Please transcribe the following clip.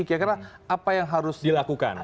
kira kira apa yang harus dilakukan